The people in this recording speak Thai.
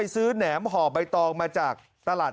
แหนมห่อใบตองมาจากตลาด